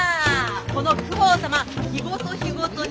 この公方様日ごと日ごとに